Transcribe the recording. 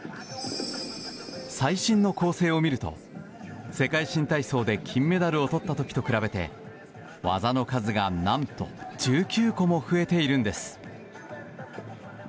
最新の構成を見ると世界新体操で金メダルを取った時と比べて技の数が何と１９個も増えているんです。